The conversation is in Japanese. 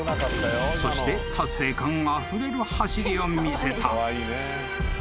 ［そして達成感あふれる走りを見せた］